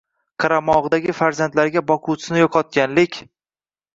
qaramog‘idagi farzandlariga boquvchisini yo‘qotganlik